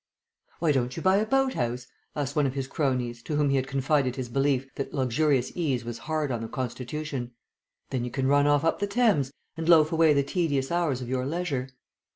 "Why don't you buy a house boat?" asked one of his cronies, to whom he had confided his belief that luxurious ease was hard on the constitution. "Then you can run off up the Thames, and loaf away the tedious hours of your leisure."